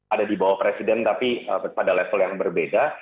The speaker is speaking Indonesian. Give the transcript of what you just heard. ada di bawah presiden tapi pada level yang berbeda